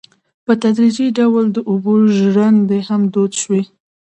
په تدریجي ډول د اوبو ژرندې هم دود شوې.